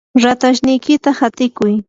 ratashniykita hatiykuy.